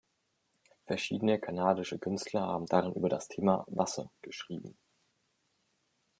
Verschiedene kanadische Künstler haben darin über das Thema "Wasser" geschrieben.